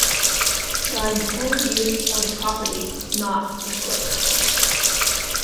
The intend use of the property was not disclosed.